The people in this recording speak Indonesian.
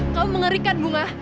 kamu mengerikan bunga